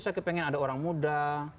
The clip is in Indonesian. saya pengen ada orang muda